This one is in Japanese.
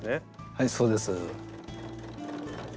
はいそうです。